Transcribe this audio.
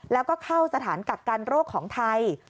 แล้วก็เข้าสถานกักกันโรคของไทย